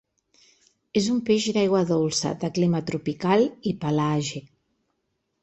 És un peix d'aigua dolça, de clima tropical i pelàgic.